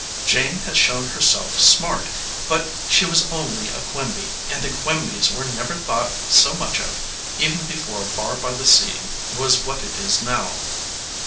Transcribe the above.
Jane has shown herself smart, but she was only a Quimby, and the Quimbys were never thought so much of even before Barr by the Sea was what it is now.